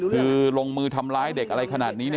คือลงมือทำร้ายเด็กอะไรขนาดนี้